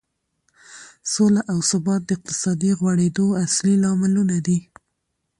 سوله او ثبات د اقتصادي غوړېدو اصلي لاملونه دي.